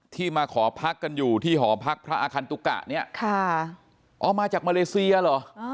ที่มาขอพักกันอยู่ที่หอพักพระอคันน์ตุ๊กะอ๋อมาจากมาเลเซียเหรอ